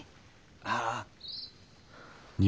ああ。